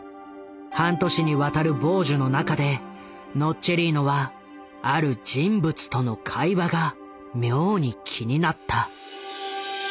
半年にわたる傍受の中でノッチェリーノはある人物との会話が妙に気になった。